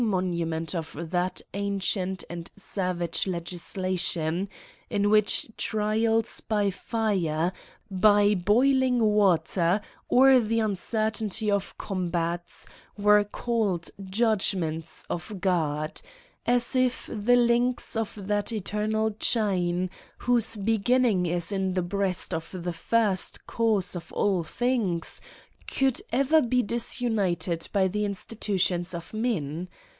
e$ monument of that ancient and savage legislation, in which trials by fire, by boiling water, or the uncertainty of combats, were csillGd judgments of God; as if the links of that eternal chain, whose beginning is in the breast of the first cause of all things, could ever be disunited by the institutions of men.